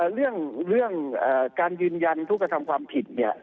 เรื่องการยืนยันทุกษฎามความผิด